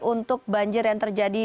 untuk banjir yang terjadi